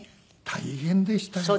大変でしたよ。